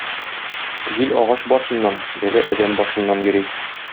Җил агач башыннан, бәла адәм башыннан йөри.